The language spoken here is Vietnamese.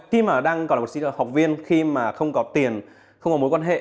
khi mà đang còn là một sĩ học viên khi mà không có tiền không có mối quan hệ